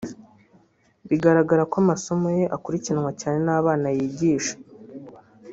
Bigaragara ko amasomo ye akurikiranwa cyane n’abana y’igisha